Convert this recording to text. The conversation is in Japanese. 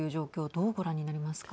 どうご覧になりますか。